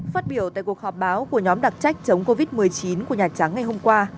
phát biểu tại cuộc họp báo của nhóm đặc trách chống covid một mươi chín của nhà trắng ngày hôm qua